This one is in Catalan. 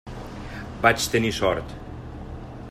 Vaig tenir sort.